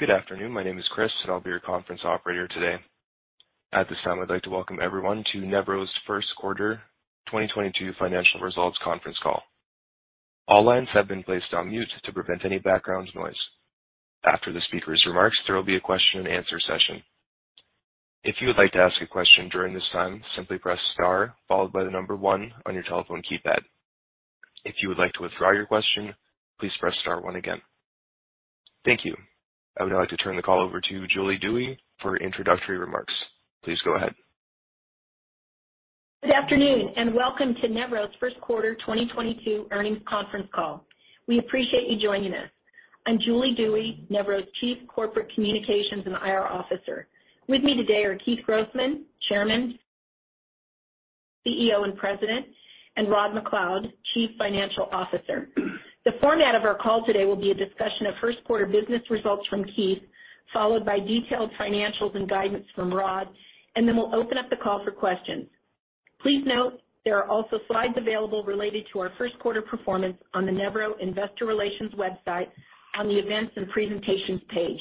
Good afternoon. My name is Chris, and I'll be your conference operator today. At this time, I'd like to welcome everyone to Nevro's First Quarter 2022 Financial Results Conference Call. All lines have been placed on mute to prevent any background noise. After the speaker's remarks, there will be a question-and-answer session. If you would like to ask a question during this time, simply press star followed by the number one on your telephone keypad. If you would like to withdraw your question, please press star one again. Thank you. I would now like to turn the call over to Julie Dewey for introductory remarks. Please go ahead. Good afternoon, and welcome to Nevro's First Quarter 2022 Earnings Conference Call. We appreciate you joining us. I'm Julie Dewey, Nevro's Chief Corporate Communications and IR Officer. With me today are Keith Grossman, Chairman, CEO, and President, and Rod MacLeod, Chief Financial Officer. The format of our call today will be a discussion of first quarter business results from Keith, followed by detailed financials and guidance from Rod, and then we'll open up the call for questions. Please note there are also slides available related to our first quarter performance on the Nevro investor relations website on the Events and Presentations page.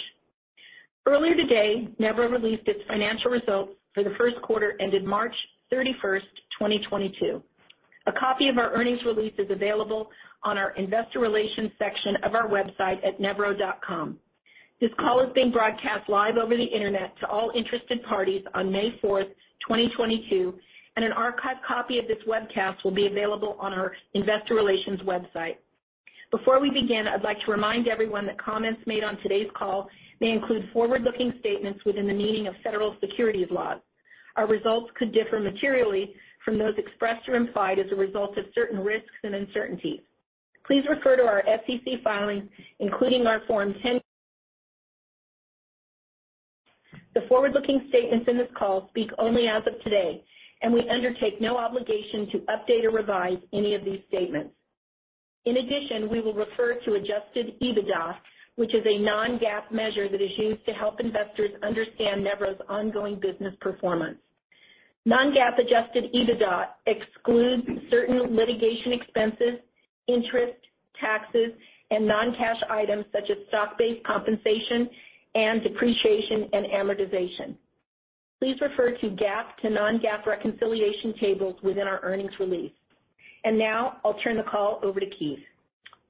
Earlier today, Nevro released its financial results for the first quarter ended March 31, 2022. A copy of our earnings release is available on our investor relations section of our website at nevro.com. This call is being broadcast live over the Internet to all interested parties on May 4th, 2022, and an archived copy of this webcast will be available on our investor relations website. Before we begin, I'd like to remind everyone that comments made on today's call may include forward-looking statements within the meaning of federal securities laws. Our results could differ materially from those expressed or implied as a result of certain risks and uncertainties. Please refer to our SEC filings, including our Form 10-K. The forward-looking statements in this call speak only as of today, and we undertake no obligation to update or revise any of these statements. In addition, we will refer to adjusted EBITDA, which is a non-GAAP measure that is used to help investors understand Nevro's ongoing business performance. Non-GAAP adjusted EBITDA excludes certain litigation expenses, interest, taxes, and non-cash items such as stock-based compensation and depreciation and amortization. Please refer to GAAP to non-GAAP reconciliation tables within our earnings release. Now I'll turn the call over to Keith.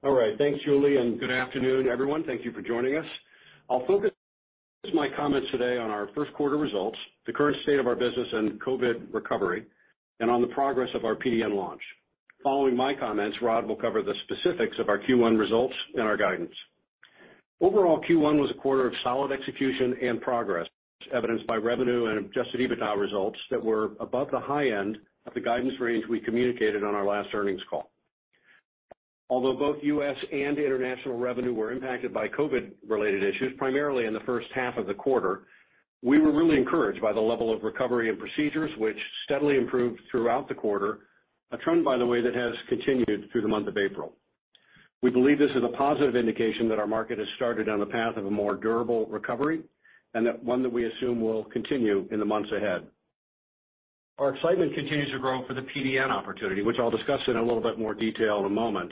All right. Thanks, Julie, and good afternoon, everyone. Thank you for joining us. I'll focus my comments today on our first quarter results, the current state of our business and COVID recovery, and on the progress of our PDN launch. Following my comments, Rod will cover the specifics of our Q1 results and our guidance. Overall, Q1 was a quarter of solid execution and progress, evidenced by revenue and adjusted EBITDA results that were above the high end of the guidance range we communicated on our last earnings call. Although both U.S. and international revenue were impacted by COVID-related issues, primarily in the first half of the quarter, we were really encouraged by the level of recovery and procedures which steadily improved throughout the quarter, a trend by the way that has continued through the month of April. We believe this is a positive indication that our market has started on the path of a more durable recovery and that one that we assume will continue in the months ahead. Our excitement continues to grow for the PDN opportunity, which I'll discuss in a little bit more detail in a moment,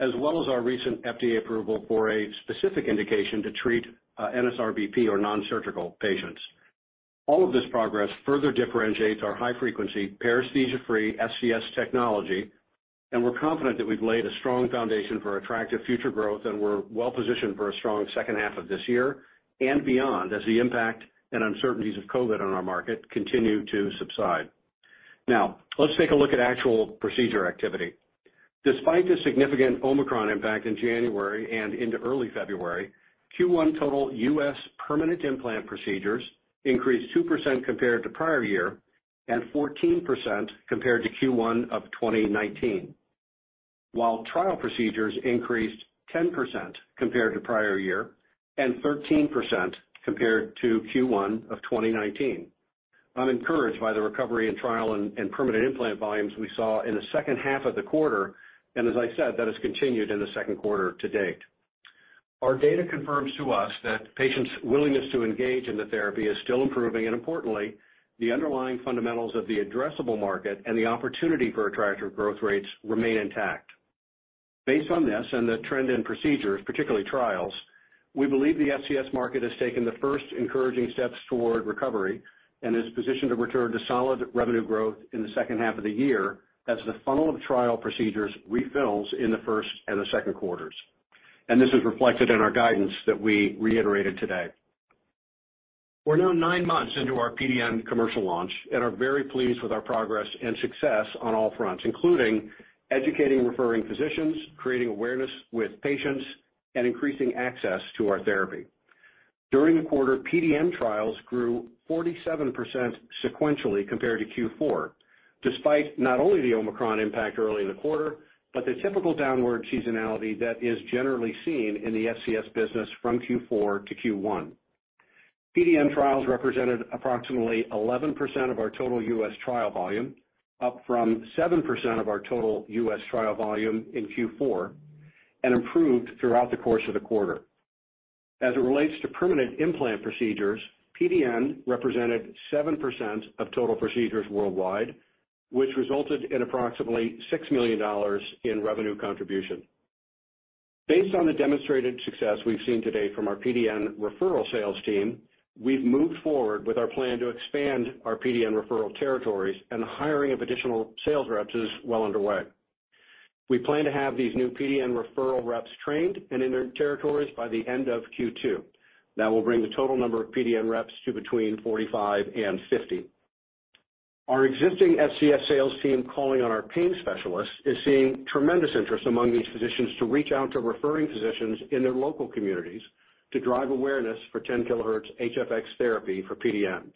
as well as our recent FDA approval for a specific indication to treat NSRBP or non-surgical patients. All of this progress further differentiates our high frequency, paresthesia-free SCS technology, and we're confident that we've laid a strong foundation for attractive future growth, and we're well positioned for a strong second half of this year and beyond as the impact and uncertainties of COVID on our market continue to subside. Now let's take a look at actual procedure activity. Despite the significant Omicron impact in January and into early February, Q1 total U.S. permanent implant procedures increased 2% compared to prior year and 14% compared to Q1 of 2019. While trial procedures increased 10% compared to prior year and 13% compared to Q1 of 2019. I'm encouraged by the recovery in trial and permanent implant volumes we saw in the second half of the quarter, and as I said, that has continued in the second quarter to date. Our data confirms to us that patients' willingness to engage in the therapy is still improving, and importantly, the underlying fundamentals of the addressable market and the opportunity for attractive growth rates remain intact. Based on this and the trend in procedures, particularly trials, we believe the SCS market has taken the first encouraging steps toward recovery and is positioned to return to solid revenue growth in the second half of the year as the funnel of trial procedures refills in the first and the second quarters. This is reflected in our guidance that we reiterated today. We're now nine months into our PDN commercial launch and are very pleased with our progress and success on all fronts, including educating referring physicians, creating awareness with patients, and increasing access to our therapy. During the quarter, PDN trials grew 47% sequentially compared to Q4, despite not only the Omicron impact early in the quarter, but the typical downward seasonality that is generally seen in the SCS business from Q4 to Q1. PDN trials represented approximately 11% of our total U.S. trial volume, up from 7% of our total U.S. trial volume in Q4, and improved throughout the course of the quarter. As it relates to permanent implant procedures, PDN represented 7% of total procedures worldwide, which resulted in approximately $6 million in revenue contribution. Based on the demonstrated success we've seen to date from our PDN referral sales team, we've moved forward with our plan to expand our PDN referral territories, and the hiring of additional sales reps is well underway. We plan to have these new PDN referral reps trained and in their territories by the end of Q2. That will bring the total number of PDN reps to between 45 and 50. Our existing SCS sales team calling on our pain specialists is seeing tremendous interest among these physicians to reach out to referring physicians in their local communities to drive awareness for 10 kilohertz HFX therapy for PDN.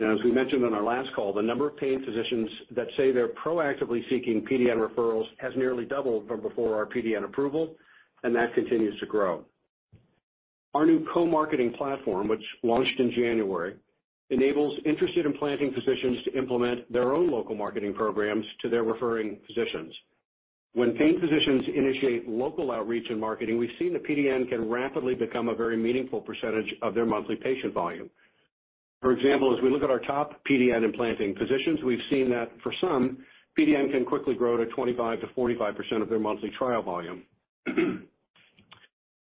Now, as we mentioned on our last call, the number of pain physicians that say they're proactively seeking PDN referrals has nearly doubled from before our PDN approval, and that continues to grow. Our new co-marketing platform, which launched in January, enables interested implanting physicians to implement their own local marketing programs to their referring physicians. When pain physicians initiate local outreach and marketing, we've seen that PDN can rapidly become a very meaningful percentage of their monthly patient volume. For example, as we look at our top PDN implanting physicians, we've seen that for some, PDN can quickly grow to 25%-45% of their monthly trial volume.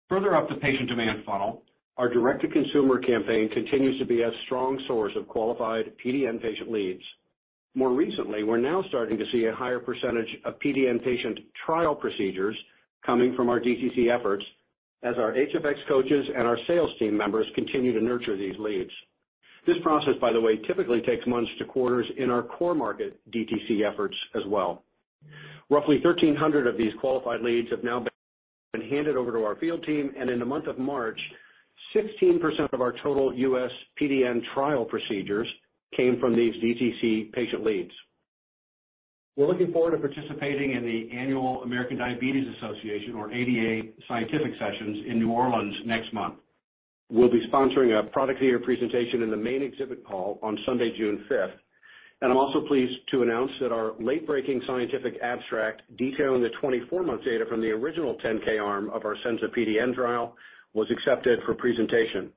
Further up the patient demand funnel, our direct-to-consumer campaign continues to be a strong source of qualified PDN patient leads. More recently, we're now starting to see a higher percentage of PDN patient trial procedures coming from our DTC efforts as our HFX coaches and our sales team members continue to nurture these leads. This process, by the way, typically takes months to quarters in our core market DTC efforts as well. Roughly 1,300 of these qualified leads have now been handed over to our field team, and in the month of March, 16% of our total U.S. PDN trial procedures came from these DTC patient leads. We're looking forward to participating in the annual American Diabetes Association or ADA Scientific Sessions in New Orleans next month. We'll be sponsoring a product theater presentation in the main exhibit hall on Sunday, June 5th. I'm also pleased to announce that our late-breaking scientific abstract detailing the 24-month data from the original 10 kHz arm of our SENZA-PDN trial was accepted for presentation.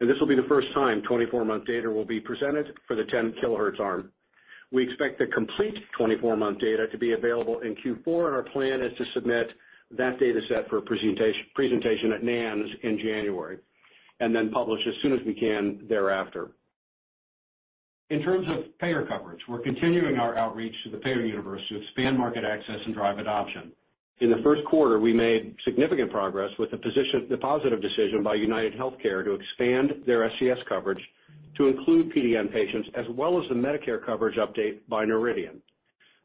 This will be the first time 24-month data will be presented for the 10-kilohertz arm. We expect the complete 24-month data to be available in Q4, and our plan is to submit that dataset for a presentation at NANS in January, and then publish as soon as we can thereafter. In terms of payer coverage, we're continuing our outreach to the payer universe to expand market access and drive adoption. In the first quarter, we made significant progress with the positive decision by UnitedHealthcare to expand their SCS coverage to include PDN patients as well as the Medicare coverage update by Noridian.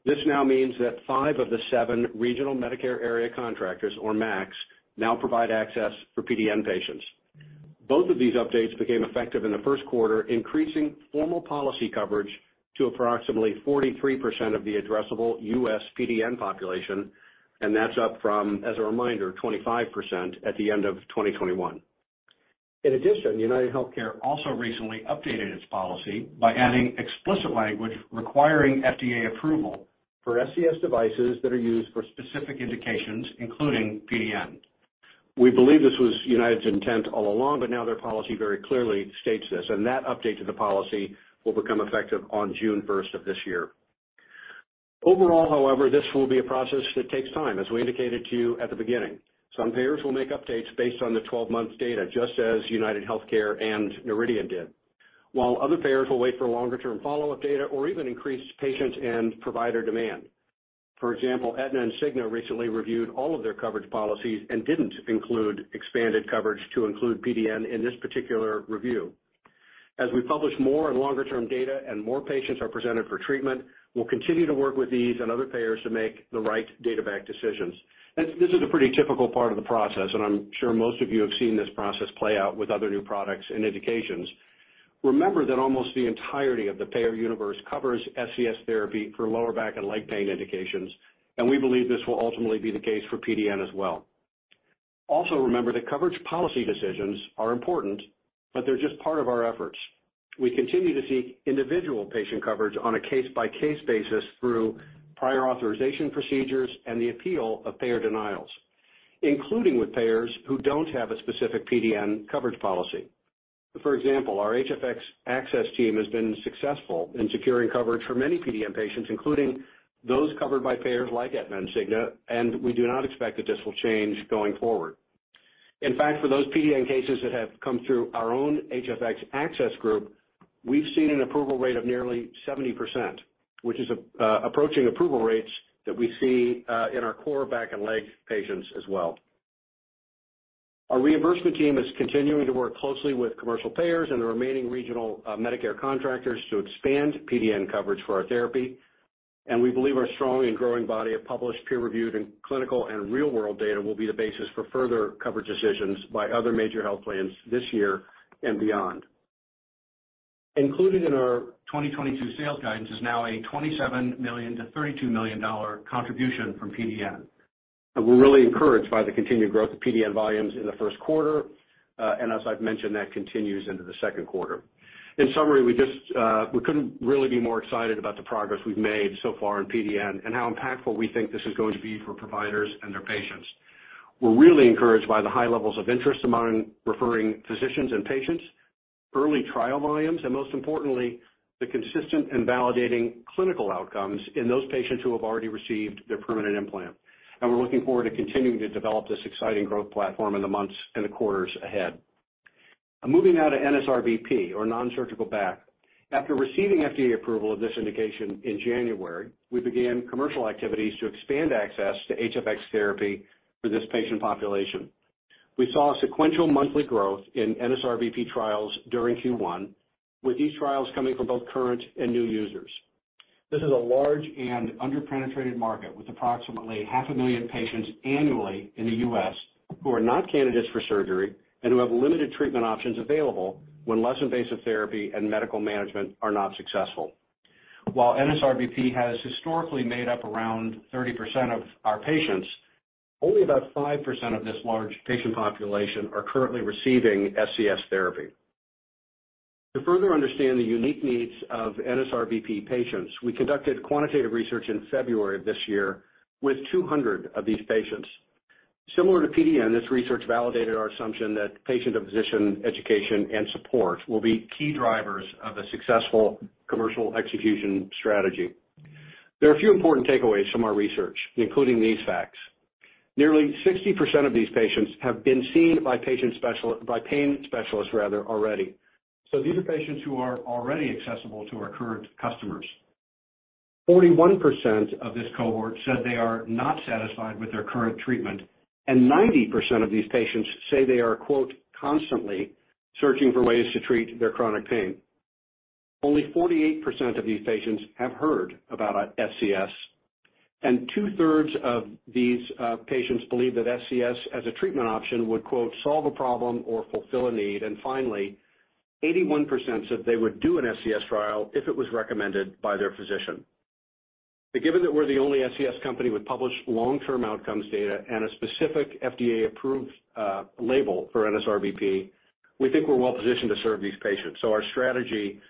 This now means that five of the seven regional Medicare area contractors or MACs now provide access for PDN patients. Both of these updates became effective in the first quarter, increasing formal policy coverage to approximately 43% of the addressable U.S. PDN population, and that's up from, as a reminder, 25% at the end of 2021. In addition, UnitedHealthcare also recently updated its policy by adding explicit language requiring FDA approval for SCS devices that are used for specific indications, including PDN. We believe this was United's intent all along, but now their policy very clearly states this, and that update to the policy will become effective on June first of this year. Overall, however, this will be a process that takes time, as we indicated to you at the beginning. Some payers will make updates based on the 12 months data, just as UnitedHealthcare and Noridian did. While other payers will wait for longer term follow-up data or even increased patient and provider demand. For example, Aetna and Cigna recently reviewed all of their coverage policies and didn't include expanded coverage to include PDN in this particular review. As we publish more and longer-term data and more patients are presented for treatment, we'll continue to work with these and other payers to make the right data-backed decisions. This is a pretty typical part of the process, and I'm sure most of you have seen this process play out with other new products and indications. Remember that almost the entirety of the payer universe covers SCS therapy for lower back and leg pain indications, and we believe this will ultimately be the case for PDN as well. Remember that coverage policy decisions are important, but they're just part of our efforts. We continue to see individual patient coverage on a case-by-case basis through prior authorization procedures and the appeal of payer denials, including with payers who don't have a specific PDN coverage policy. For example, our HFX Access team has been successful in securing coverage for many PDN patients, including those covered by payers like Aetna and Cigna, and we do not expect that this will change going forward. In fact, for those PDN cases that have come through our own HFX Access group, we've seen an approval rate of nearly 70%, which is approaching approval rates that we see in our core back and leg patients as well. Our reimbursement team is continuing to work closely with commercial payers and the remaining regional Medicare contractors to expand PDN coverage for our therapy, and we believe our strong and growing body of published peer-reviewed and clinical and real-world data will be the basis for further coverage decisions by other major health plans this year and beyond. Included in our 2022 sales guidance is now a $27 million-$32 million contribution from PDN. We're really encouraged by the continued growth of PDN volumes in the first quarter, and as I've mentioned, that continues into the second quarter. In summary, we couldn't really be more excited about the progress we've made so far in PDN and how impactful we think this is going to be for providers and their patients. We're really encouraged by the high levels of interest among referring physicians and patients. Early trial volumes, and most importantly, the consistent and validating clinical outcomes in those patients who have already received their permanent implant. We're looking forward to continuing to develop this exciting growth platform in the months and the quarters ahead. Moving now to NSRBP or nonsurgical back. After receiving FDA approval of this indication in January, we began commercial activities to expand access to HFX therapy for this patient population. We saw sequential monthly growth in NSRBP trials during Q1, with these trials coming from both current and new users. This is a large and under-penetrated market, with approximately half a million patients annually in the U.S. who are not candidates for surgery and who have limited treatment options available when less invasive therapy and medical management are not successful. While NSRBP has historically made up around 30% of our patients, only about 5% of this large patient population are currently receiving SCS therapy. To further understand the unique needs of NSRBP patients, we conducted quantitative research in February of this year with 200 of these patients. Similar to PDN, this research validated our assumption that patient and physician education and support will be key drivers of a successful commercial execution strategy. There are a few important takeaways from our research, including these facts. Nearly 60% of these patients have been seen by pain specialists rather already. So these are patients who are already accessible to our current customers. 41% of this cohort said they are not satisfied with their current treatment, and 90% of these patients say they are, quote, "constantly searching for ways to treat their chronic pain." Only 48% of these patients have heard about SCS, and two-thirds of these patients believe that SCS as a treatment option would, quote, "solve a problem or fulfill a need." Finally, 81% said they would do an SCS trial if it was recommended by their physician. Given that we're the only SCS company with published long-term outcomes data and a specific FDA-approved label for NSRBP, we think we're well positioned to serve these patients. Our strategy,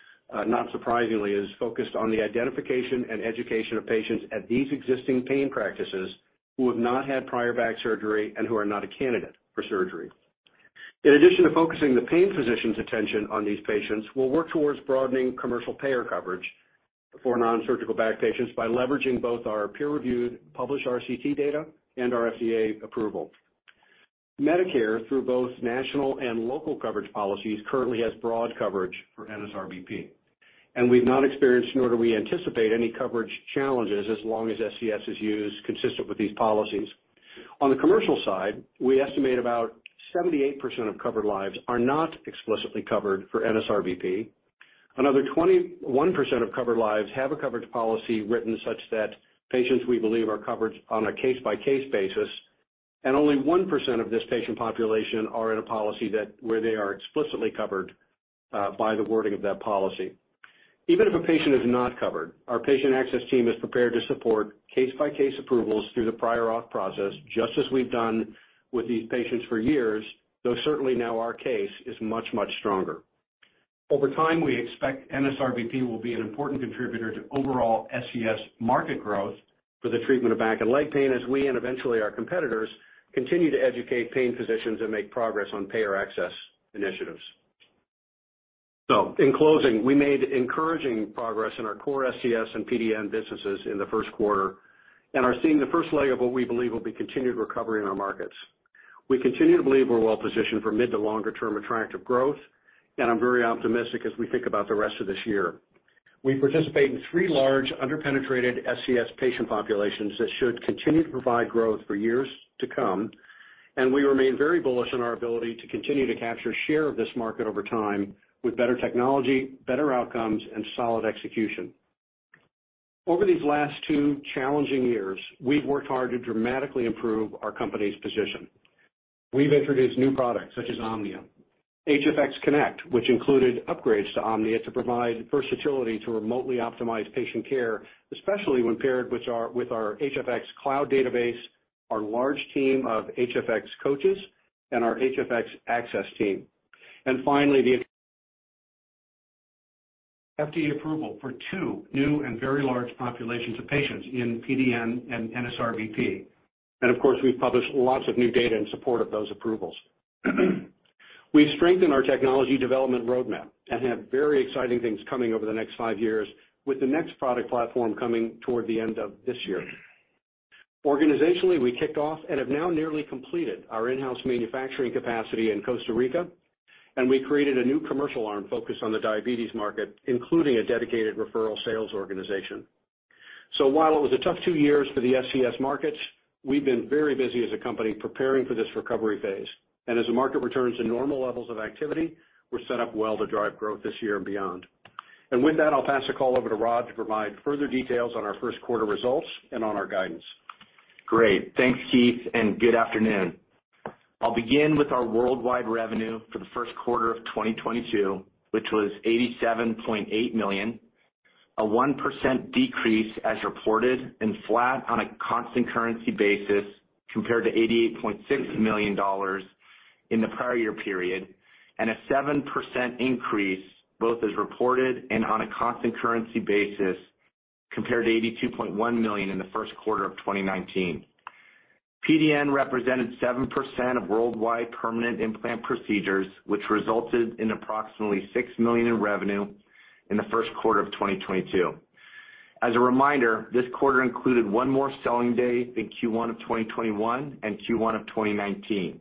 not surprisingly, is focused on the identification and education of patients at these existing pain practices who have not had prior back surgery and who are not a candidate for surgery. In addition to focusing the pain physician's attention on these patients, we'll work towards broadening commercial payer coverage for nonsurgical back patients by leveraging both our peer-reviewed published RCT data and our FDA approval. Medicare, through both national and local coverage policies, currently has broad coverage for NSRBP, and we've not experienced nor do we anticipate any coverage challenges as long as SCS is used consistent with these policies. On the commercial side, we estimate about 78% of covered lives are not explicitly covered for NSRBP. Another 21% of covered lives have a coverage policy written such that patients we believe are covered on a case-by-case basis, and only 1% of this patient population are in a policy where they are explicitly covered by the wording of that policy. Even if a patient is not covered, our patient access team is prepared to support case-by-case approvals through the prior auth process, just as we've done with these patients for years, though certainly now our case is much, much stronger. Over time, we expect NSRBP will be an important contributor to overall SCS market growth for the treatment of back and leg pain as we and eventually our competitors continue to educate pain physicians and make progress on payer access initiatives. In closing, we made encouraging progress in our core SCS and PDN businesses in the first quarter and are seeing the first leg of what we believe will be continued recovery in our markets. We continue to believe we're well positioned for mid to longer term attractive growth, and I'm very optimistic as we think about the rest of this year. We participate in three large under-penetrated SCS patient populations that should continue to provide growth for years to come, and we remain very bullish on our ability to continue to capture share of this market over time with better technology, better outcomes, and solid execution. Over these last two challenging years, we've worked hard to dramatically improve our company's position. We've introduced new products such as Senza Omnia, HFX Connect, which included upgrades to Senza Omnia to provide versatility to remotely optimize patient care, especially when paired with our HFX Cloud database, our large team of HFX coaches and our HFX Access team. The FDA approval for two new and very large populations of patients in PDN and NSRBP. We've published lots of new data in support of those approvals. We've strengthened our technology development roadmap and have very exciting things coming over the next five years with the next product platform coming toward the end of this year. Organizationally, we kicked off and have now nearly completed our in-house manufacturing capacity in Costa Rica, and we created a new commercial arm focused on the diabetes market, including a dedicated referral sales organization. While it was a tough two years for the SCS markets, we've been very busy as a company preparing for this recovery phase. As the market returns to normal levels of activity, we're set up well to drive growth this year and beyond. With that, I'll pass the call over to Rod MacLeod to provide further details on our first quarter results and on our guidance. Great. Thanks, Keith, and good afternoon. I'll begin with our worldwide revenue for the first quarter of 2022, which was $87.8 million, a 1% decrease as reported and flat on a constant currency basis compared to $88.6 million in the prior year period, and a 7% increase both as reported and on a constant currency basis compared to $82.1 million in the first quarter of 2019. PDN represented 7% of worldwide permanent implant procedures, which resulted in approximately $6 million in revenue in the first quarter of 2022. As a reminder, this quarter included one more selling day than Q1 of 2021 and Q1 of 2019.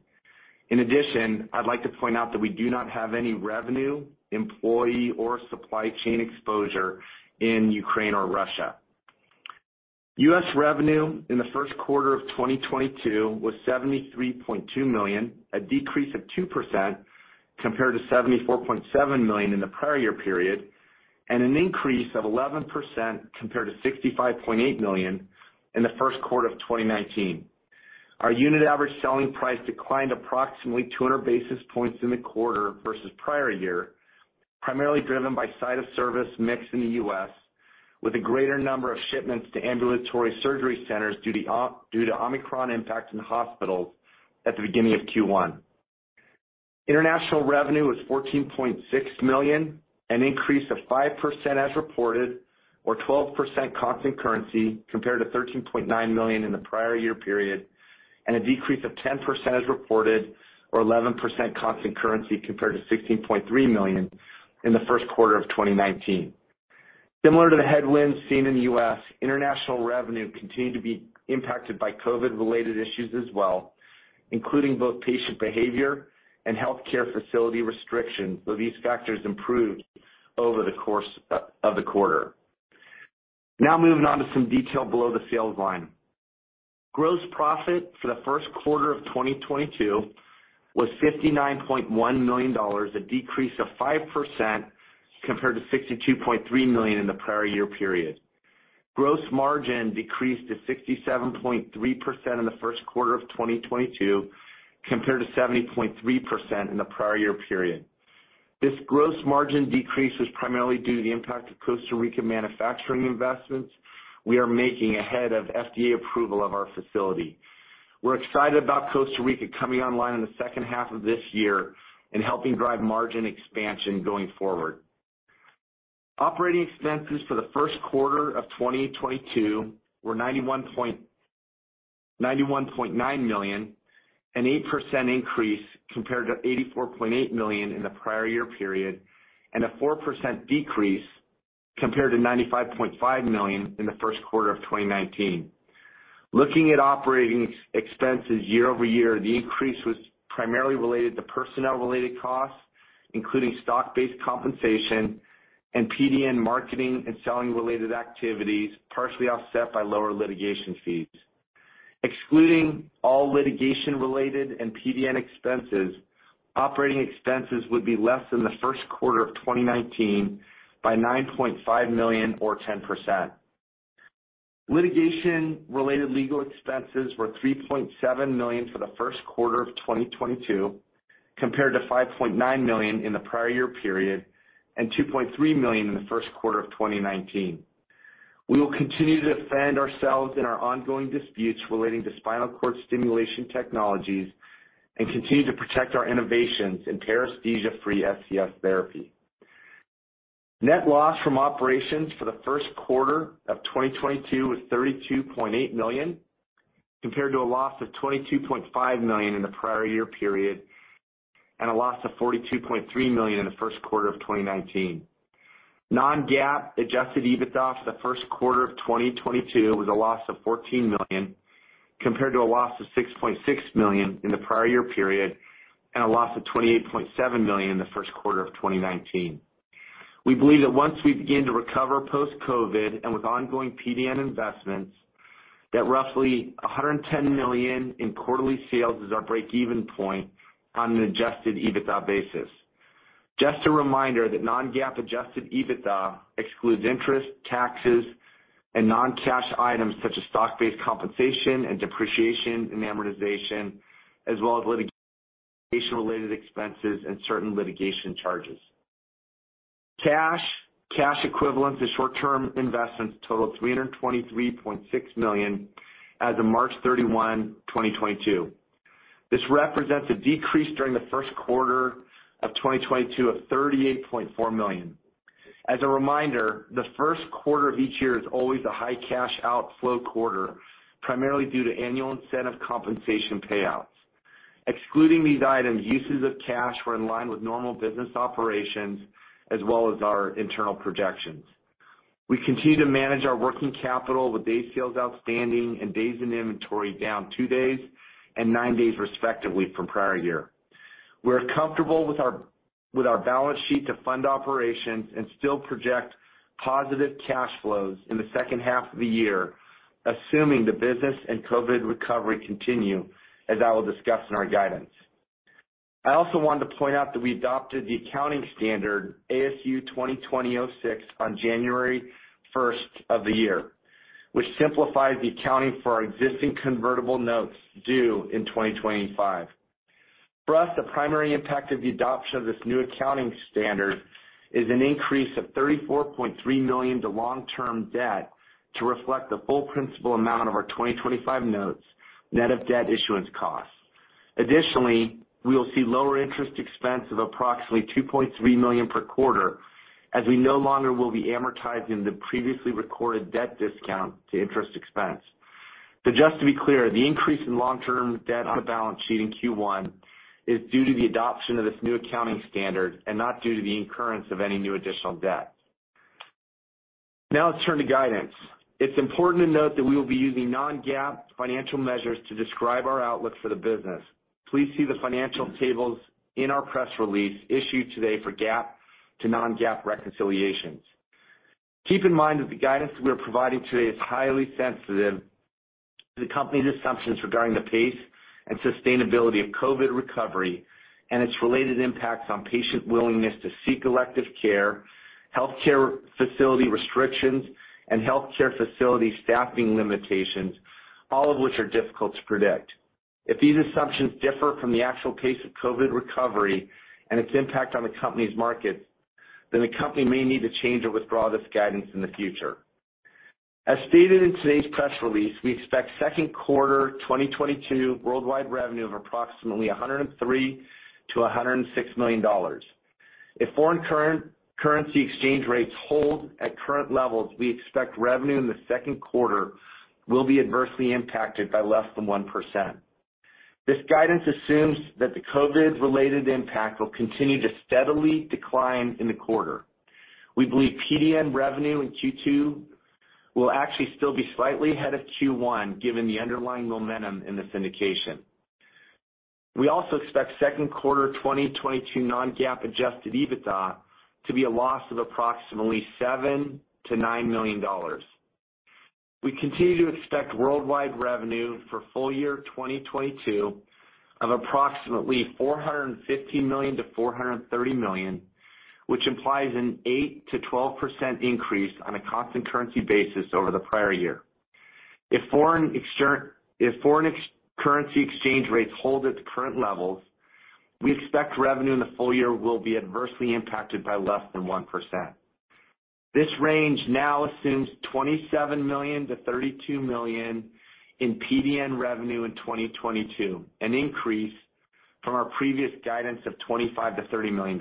In addition, I'd like to point out that we do not have any revenue, employee, or supply chain exposure in Ukraine or Russia. U.S. revenue in the first quarter of 2022 was $73.2 million, a decrease of 2% compared to $74.7 million in the prior year period, and an increase of 11% compared to $65.8 million in the first quarter of 2019. Our unit average selling price declined approximately 200 basis points in the quarter versus prior year, primarily driven by site of service mix in the U.S., with a greater number of shipments to ambulatory surgery centers due to Omicron impact in the hospitals at the beginning of Q1. International revenue was $14.6 million, an increase of 5% as reported, or 12% constant currency compared to $13.9 million in the prior year period, and a decrease of 10% as reported or 11% constant currency compared to $16.3 million in the first quarter of 2019. Similar to the headwinds seen in the US, international revenue continued to be impacted by COVID-related issues as well, including both patient behavior and healthcare facility restrictions, though these factors improved over the course of the quarter. Now moving on to some detail below the sales line. Gross profit for the first quarter of 2022 was $59.1 million, a decrease of 5% compared to $62.3 million in the prior year period. Gross margin decreased to 67.3% in the first quarter of 2022 compared to 70.3% in the prior year period. This gross margin decrease was primarily due to the impact of Costa Rica manufacturing investments we are making ahead of FDA approval of our facility. We're excited about Costa Rica coming online in the second half of this year and helping drive margin expansion going forward. Operating expenses for the first quarter of 2022 were $91.9 million, an 8% increase compared to $84.8 million in the prior year period, and a 4% decrease compared to $95.5 million in the first quarter of 2019. Looking at operating expenses year-over-year, the increase was primarily related to personnel-related costs, including stock-based compensation and PDN marketing and selling-related activities, partially offset by lower litigation fees. Excluding all litigation-related and PDN expenses, operating expenses would be less than the first quarter of 2019 by $9.5 million or 10%. Litigation-related legal expenses were $3.7 million for the first quarter of 2022, compared to $5.9 million in the prior year period and $2.3 million in the first quarter of 2019. We will continue to defend ourselves in our ongoing disputes relating to spinal cord stimulation technologies and continue to protect our innovations in paresthesia-free SCS therapy. Net loss from operations for the first quarter of 2022 was $32.8 million, compared to a loss of $22.5 million in the prior year period and a loss of $42.3 million in the first quarter of 2019. non-GAAP adjusted EBITDA for the first quarter of 2022 was a loss of $14 million, compared to a loss of $6.6 million in the prior year period and a loss of $28.7 million in the first quarter of 2019. We believe that once we begin to recover post-COVID and with ongoing PDN investments, that roughly $110 million in quarterly sales is our break-even point on an adjusted EBITDA basis. Just a reminder that non-GAAP adjusted EBITDA excludes interest, taxes, and non-cash items such as stock-based compensation and depreciation and amortization, as well as litigation-related expenses and certain litigation charges. Cash, cash equivalents, and short-term investments total $323.6 million as of March 31, 2022. This represents a decrease during the first quarter of 2022 of $38.4 million. As a reminder, the first quarter of each year is always a high cash outflow quarter, primarily due to annual incentive compensation payouts. Excluding these items, uses of cash were in line with normal business operations as well as our internal projections. We continue to manage our working capital with days sales outstanding and days in inventory down 2 days and 9 days respectively from prior year. We're comfortable with our balance sheet to fund operations and still project positive cash flows in the second half of the year, assuming the business and COVID recovery continue, as I will discuss in our guidance. I also wanted to point out that we adopted the accounting standard ASU 2020-06 on January first of the year, which simplifies the accounting for our existing convertible notes due in 2025. For us, the primary impact of the adoption of this new accounting standard is an increase of $34.3 million to long-term debt to reflect the full principal amount of our 2025 notes, net of debt issuance costs. Additionally, we will see lower interest expense of approximately $2.3 million per quarter as we no longer will be amortizing the previously recorded debt discount to interest expense. Just to be clear, the increase in long-term debt on the balance sheet in Q1 is due to the adoption of this new accounting standard and not due to the incurrence of any new additional debt. Now let's turn to guidance. It's important to note that we will be using non-GAAP financial measures to describe our outlook for the business. Please see the financial tables in our press release issued today for GAAP to non-GAAP reconciliations. Keep in mind that the guidance we are providing today is highly sensitive to the company's assumptions regarding the pace and sustainability of COVID recovery and its related impacts on patient willingness to seek elective care, healthcare facility restrictions, and healthcare facility staffing limitations, all of which are difficult to predict. If these assumptions differ from the actual pace of COVID recovery and its impact on the company's market, then the company may need to change or withdraw this guidance in the future. As stated in today's press release, we expect second quarter 2022 worldwide revenue of approximately $103 million-$106 million. If foreign currency exchange rates hold at current levels, we expect revenue in the second quarter will be adversely impacted by less than 1%. This guidance assumes that the COVID-related impact will continue to steadily decline in the quarter. We believe PDN revenue in Q2 will actually still be slightly ahead of Q1, given the underlying momentum in this indication. We also expect second quarter 2022 non-GAAP adjusted EBITDA to be a loss of approximately $7 million-$9 million. We continue to expect worldwide revenue for full year 2022 of approximately $450 million-$430 million, which implies an 8%-12% increase on a constant currency basis over the prior year. If foreign exchange rates hold at the current levels, we expect revenue in the full year will be adversely impacted by less than 1%. This range now assumes $27 million-$32 million in PDN revenue in 2022, an increase from our previous guidance of $25 million-$30 million.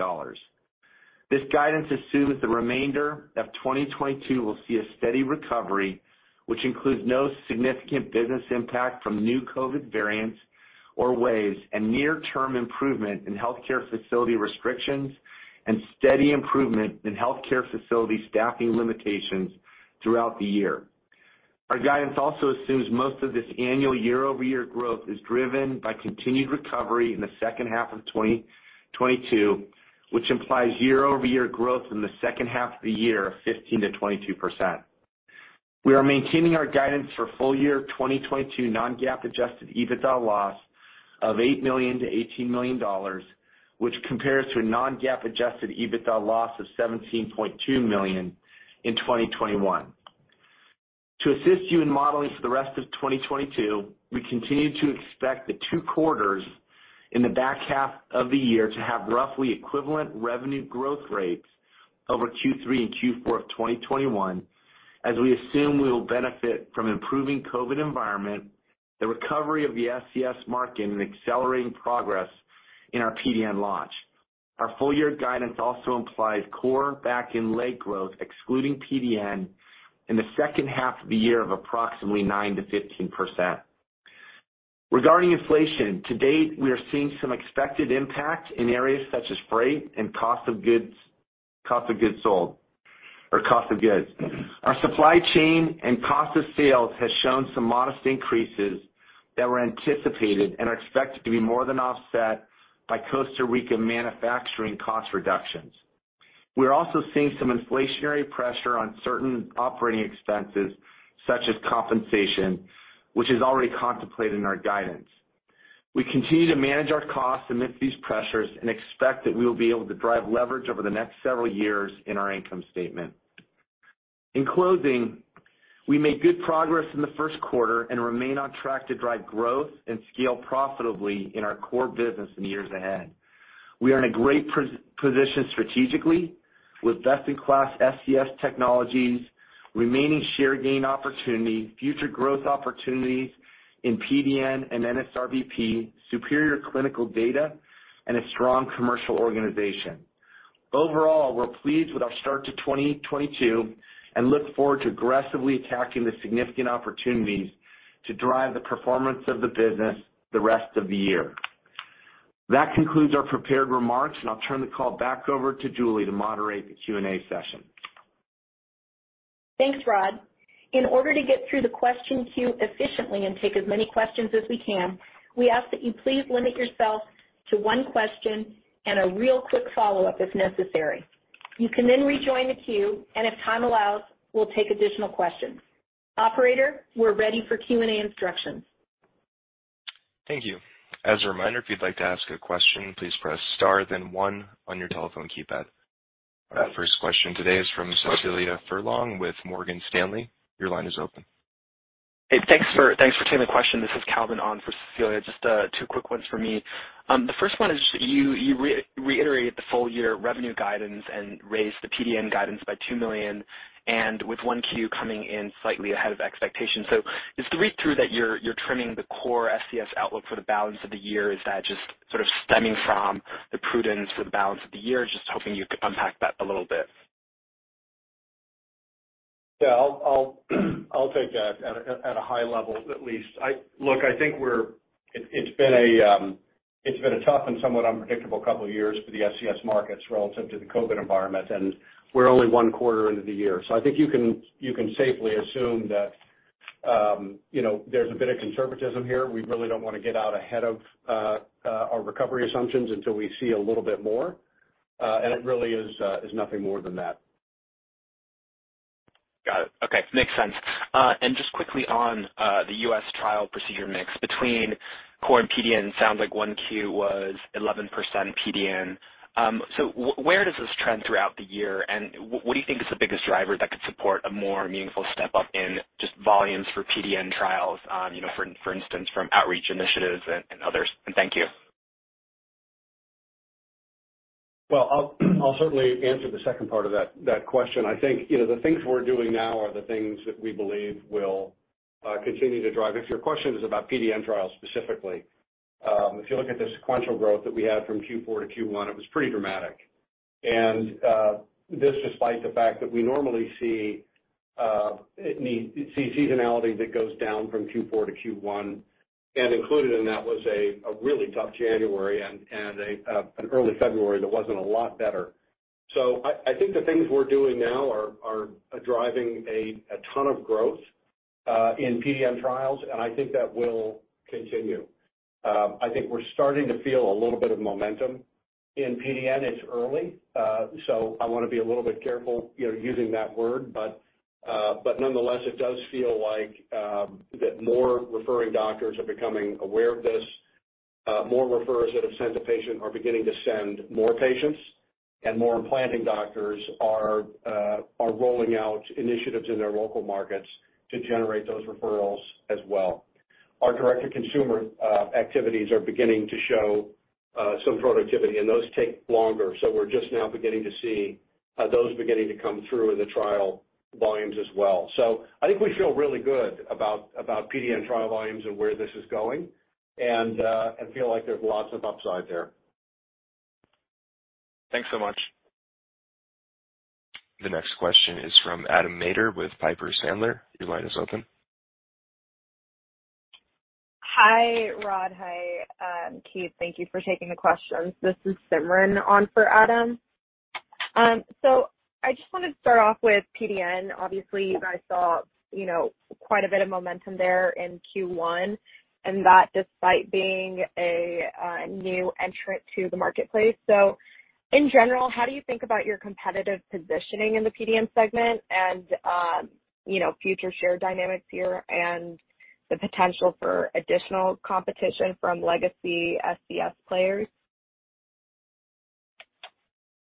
This guidance assumes the remainder of 2022 will see a steady recovery, which includes no significant business impact from new COVID variants or waves and near-term improvement in healthcare facility restrictions and steady improvement in healthcare facility staffing limitations throughout the year. Our guidance also assumes most of this annual year-over-year growth is driven by continued recovery in the second half of 2022, which implies year-over-year growth in the second half of the year of 15%-22%. We are maintaining our guidance for full year 2022 non-GAAP adjusted EBITDA loss of $8 million-$18 million, which compares to a non-GAAP adjusted EBITDA loss of $17.2 million in 2021. To assist you in modeling for the rest of 2022, we continue to expect the two quarters in the back half of the year to have roughly equivalent revenue growth rates over Q3 and Q4 of 2021, as we assume we will benefit from improving COVID environment, the recovery of the SCS market, and accelerating progress in our PDN launch. Our full year guidance also implies core back and leg growth, excluding PDN, in the second half of the year of approximately 9%-15%. Regarding inflation, to date, we are seeing some expected impact in areas such as freight and cost of goods sold or cost of goods. Our supply chain and cost of sales has shown some modest increases that were anticipated and are expected to be more than offset by Costa Rica manufacturing cost reductions. We are also seeing some inflationary pressure on certain operating expenses, such as compensation, which is already contemplated in our guidance. We continue to manage our costs amidst these pressures and expect that we will be able to drive leverage over the next several years in our income statement. In closing, we made good progress in the first quarter and remain on track to drive growth and scale profitably in our core business in the years ahead. We are in a great position strategically with best-in-class SCS technologies, remaining share gain opportunity, future growth opportunities in PDN and NSRBP, superior clinical data, and a strong commercial organization. Overall, we're pleased with our start to 2022 and look forward to aggressively attacking the significant opportunities to drive the performance of the business the rest of the year. That concludes our prepared remarks, and I'll turn the call back over to Julie to moderate the Q&A session. Thanks, Rod. In order to get through the question queue efficiently and take as many questions as we can, we ask that you please limit yourself to one question and a real quick follow-up if necessary. You can then rejoin the queue, and if time allows, we'll take additional questions. Operator, we're ready for Q&A instructions. Thank you. As a reminder, if you'd like to ask a question, please press star then one on your telephone keypad. Our first question today is from Cecilia Furlong with Morgan Stanley. Your line is open. Hey, thanks for taking the question. This is Calvin on for Cecilia. Just two quick ones for me. The first one is you reiterated the full year revenue guidance and raised the PDN guidance by $2 million and with 1Q coming in slightly ahead of expectations. Is the read-through that you're trimming the core SCS outlook for the balance of the year just sort of stemming from the prudence for the balance of the year? Just hoping you could unpack that a little bit. Yeah, I'll take that at a high level, at least. Look, I think it's been a tough and somewhat unpredictable couple of years for the SCS markets relative to the COVID environment, and we're only one quarter into the year. So I think you can safely assume that, you know, there's a bit of conservatism here. We really don't wanna get out ahead of our recovery assumptions until we see a little bit more. And it really is nothing more than that. Got it. Okay. Makes sense. Just quickly on the US trial procedure mix between core and PDN, sounds like one Q was 11% PDN. So where does this trend throughout the year, and what do you think is the biggest driver that could support a more meaningful step-up in just volumes for PDN trials, you know, for instance, from outreach initiatives and others? Thank you. Well, I'll certainly answer the second part of that question. I think, you know, the things we're doing now are the things that we believe will continue to drive. If your question is about PDN trials specifically, if you look at the sequential growth that we had from Q4 to Q1, it was pretty dramatic. This despite the fact that we normally see seasonality that goes down from Q4 to Q1, and included in that was a really tough January and an early February that wasn't a lot better. I think the things we're doing now are driving a ton of growth in PDN trials, and I think that will continue. I think we're starting to feel a little bit of momentum in PDN. It's early, so I wanna be a little bit careful, you know, using that word. But nonetheless, it does feel like that more referring doctors are becoming aware of this, more referrers that have sent a patient are beginning to send more patients, and more implanting doctors are rolling out initiatives in their local markets to generate those referrals as well. Our direct-to-consumer activities are beginning to show some productivity, and those take longer, so we're just now beginning to see those beginning to come through in the trial volumes as well. I think we feel really good about PDN trial volumes and where this is going and feel like there's lots of upside there. Thanks so much. The next question is from Adam Maeder with Piper Sandler. Your line is open. Hi, Rod. Hi, Keith. Thank you for taking the questions. This is Simran on for Adam. I just wanted to start off with PDN. Obviously, you guys saw, you know, quite a bit of momentum there in Q1, and that despite being a new entrant to the marketplace. In general, how do you think about your competitive positioning in the PDN segment and, you know, future share dynamics here and the potential for additional competition from legacy SCS players?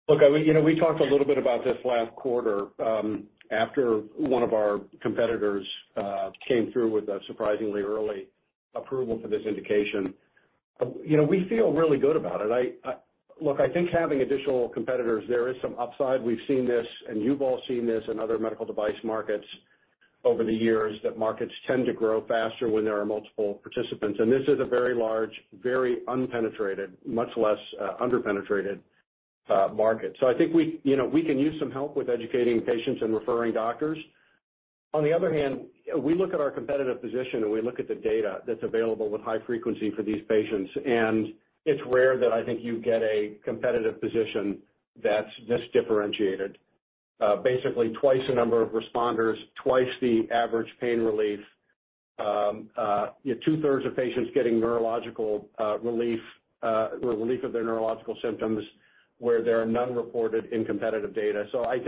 Look, you know, we talked a little bit about this last quarter, after one of our competitors came through with a surprisingly early approval for this indication. You know, we feel really good about it. Look, I think having additional competitors there is some upside. We've seen this, and you've all seen this in other medical device markets over the years, that markets tend to grow faster when there are multiple participants. This is a very large, very unpenetrated, much less underpenetrated market. I think you know, we can use some help with educating patients and referring doctors. On the other hand, we look at our competitive position, and we look at the data that's available with high frequency for these patients, and it's rare that I think you get a competitive position that's this differentiated. Basically twice the number of responders, twice the average pain relief. You know, two-thirds of patients getting neurological relief or relief of their neurological symptoms where there are none reported in competitive data. I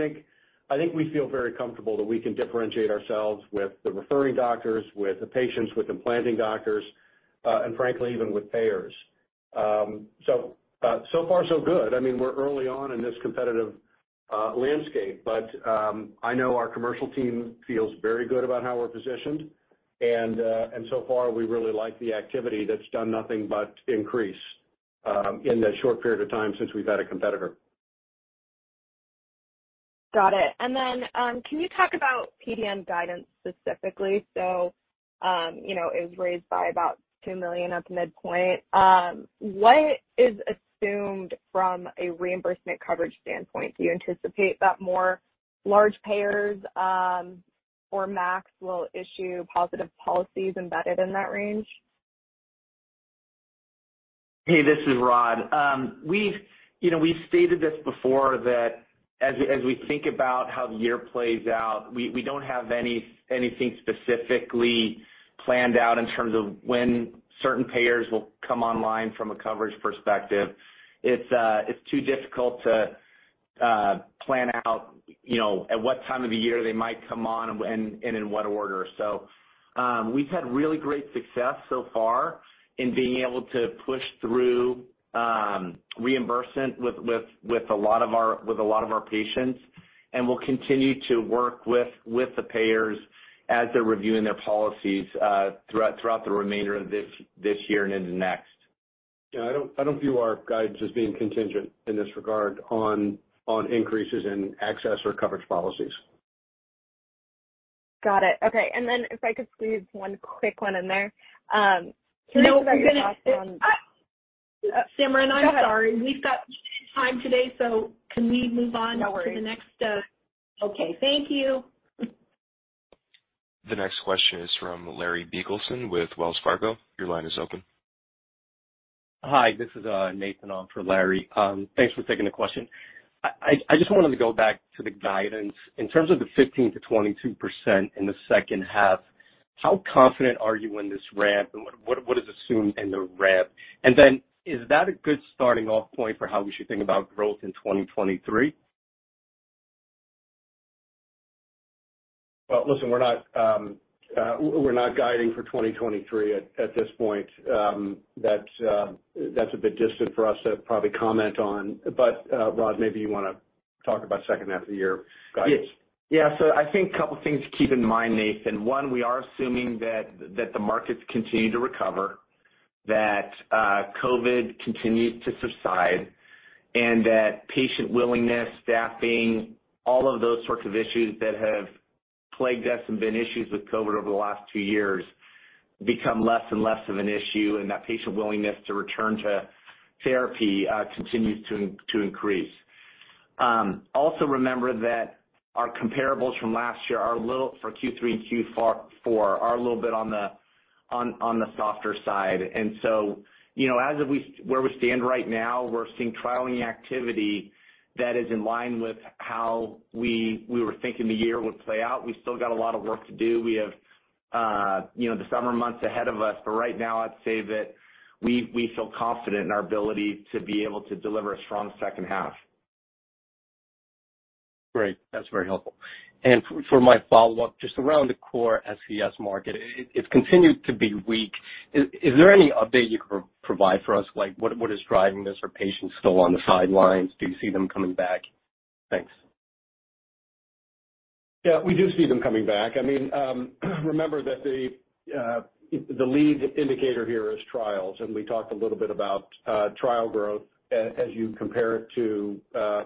think we feel very comfortable that we can differentiate ourselves with the referring doctors, with the patients, with implanting doctors, and frankly, even with payers. So far so good. I mean, we're early on in this competitive landscape, but I know our commercial team feels very good about how we're positioned. So far, we really like the activity that's done nothing but increase in the short period of time since we've had a competitor. Got it. Can you talk about PDN guidance specifically? You know, it was raised by about $2 million at the midpoint. What is assumed from a reimbursement coverage standpoint? Do you anticipate that more large payers, or MACs will issue positive policies embedded in that range? Hey, this is Rod. We've, you know, stated this before that as we think about how the year plays out, we don't have anything specifically planned out in terms of when certain payers will come online from a coverage perspective. It's too difficult to plan out, you know, at what time of the year they might come on and in what order. We've had really great success so far in being able to push through reimbursement with a lot of our patients. We'll continue to work with the payers as they're reviewing their policies throughout the remainder of this year and into next. Yeah, I don't view our guidance as being contingent in this regard on increases in access or coverage policies. Got it. Okay. If I could squeeze one quick one in there. No, we're gonna. Can I get your thoughts on? Simran, I'm sorry. Go ahead. We've got time today, so can we move on to the next? No worries. Okay. Thank you. The next question is from Larry Biegelsen with Wells Fargo. Your line is open. Hi, this is Nathan on for Larry. Thanks for taking the question. I just wanted to go back to the guidance. In terms of the 15%-22% in the second half, how confident are you in this ramp, and what is assumed in the ramp? Is that a good starting off point for how we should think about growth in 2023? Well, listen, we're not guiding for 2023 at this point. That's a bit distant for us to probably comment on. Rod, maybe you wanna talk about second half of the year guidance. Yes. Yeah. I think couple things to keep in mind, Nathan. One, we are assuming that the markets continue to recover, that COVID continues to subside, and that patient willingness, staffing, all of those sorts of issues that have plagued us and been issues with COVID over the last two years become less and less of an issue, and that patient willingness to return to therapy continues to increase. Also remember that our comparables from last year are a little for Q3 and Q4, are a little bit on the softer side. You know, where we stand right now, we're seeing trialing activity that is in line with how we were thinking the year would play out. We've still got a lot of work to do. We have, you know, the summer months ahead of us. Right now, I'd say that we feel confident in our ability to be able to deliver a strong second half. Great. That's very helpful. For my follow-up, just around the core SCS market, it's continued to be weak. Is there any update you can provide for us, like what is driving this? Are patients still on the sidelines? Do you see them coming back? Thanks. Yeah, we do see them coming back. I mean, remember that the lead indicator here is trials, and we talked a little bit about trial growth as you compare it to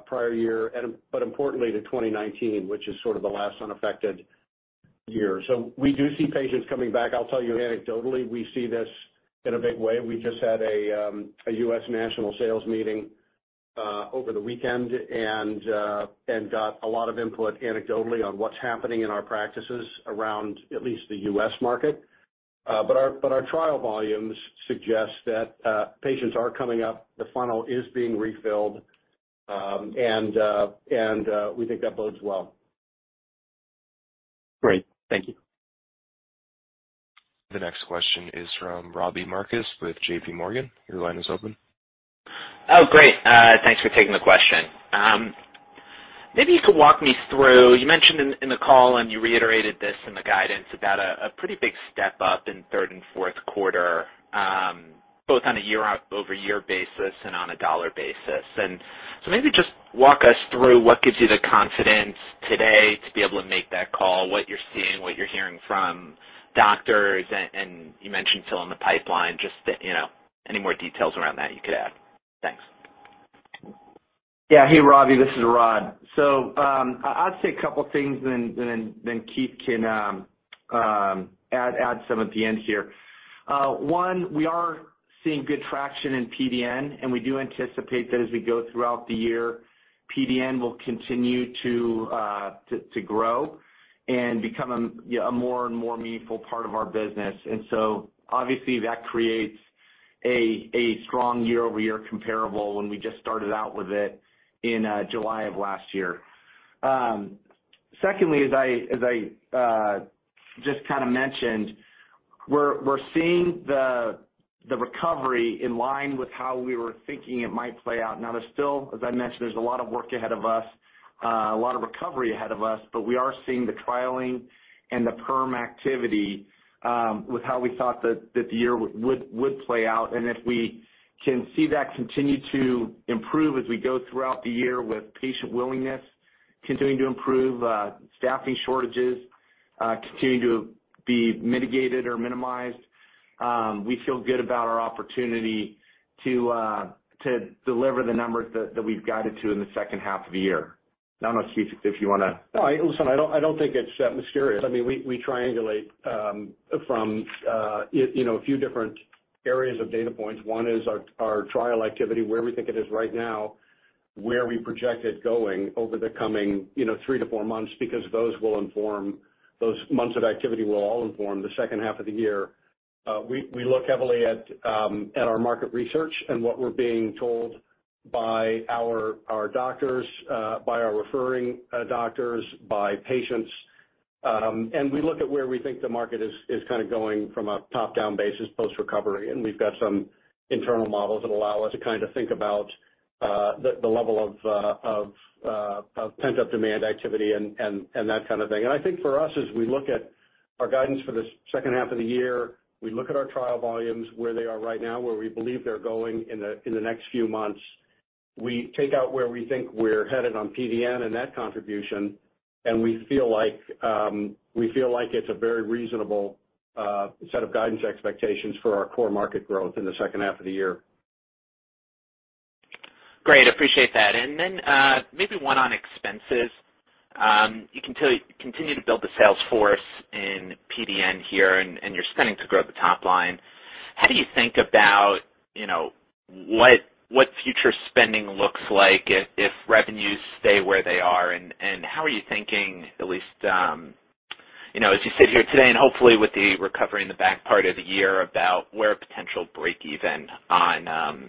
prior year and, but importantly, to 2019, which is sort of the last unaffected year. We do see patients coming back. I'll tell you anecdotally, we see this in a big way. We just had a U.S. national sales meeting over the weekend and got a lot of input anecdotally on what's happening in our practices around at least the U.S. market. But our trial volumes suggest that patients are coming up, the funnel is being refilled, and we think that bodes well. Great. Thank you. The next question is from Robbie Marcus with JP Morgan. Your line is open. Oh, great. Thanks for taking the question. Maybe you could walk me through, you mentioned in the call, and you reiterated this in the guidance about a pretty big step up in third and fourth quarter, both on a year-over-year basis and on a dollar basis. Maybe just walk us through what gives you the confidence today to be able to make that call, what you're seeing, what you're hearing from doctors, and you mentioned filling the pipeline, just, you know, any more details around that you could add. Thanks. Yeah. Hey, Robbie, this is Rod. I'd say a couple things and then Keith can add some at the end here. One, we are seeing good traction in PDN, and we do anticipate that as we go throughout the year, PDN will continue to grow and become a, you know, a more and more meaningful part of our business. And so obviously that creates a strong year-over-year comparable when we just started out with it in July of last year. Secondly, as I just kind of mentioned, we're seeing the recovery in line with how we were thinking it might play out. Now, there's still, as I mentioned, a lot of work ahead of us, a lot of recovery ahead of us, but we are seeing the trialing and the perm activity, with how we thought that the year would play out. If we can see that continue to improve as we go throughout the year with patient willingness continuing to improve, staffing shortages continuing to be mitigated or minimized, we feel good about our opportunity to deliver the numbers that we've guided to in the second half of the year. Now, I don't know, Keith, if you wanna- No, listen, I don't think it's that mysterious. I mean, we triangulate from you know, a few different areas of data points. One is our trial activity, where we think it is right now, where we project it going over the coming, you know, three to four months because those months of activity will all inform the second half of the year. We look heavily at our market research and what we're being told by our doctors, by our referring doctors, by patients. We look at where we think the market is kind of going from a top-down basis post-recovery. We've got some internal models that allow us to kind of think about the level of pent-up demand activity and that kind of thing. I think for us, as we look at our guidance for the second half of the year, we look at our trial volumes, where they are right now, where we believe they're going in the next few months. We take out where we think we're headed on PDN and net contribution, and we feel like it's a very reasonable set of guidance expectations for our core market growth in the second half of the year. Great. Appreciate that. Then, maybe one on expenses. You continue to build the sales force in PDN here, and you're spending to grow the top line. How do you think about, you know, what future spending looks like if revenues stay where they are? How are you thinking, at least, you know, as you sit here today and hopefully with the recovery in the back part of the year, about where a potential breakeven on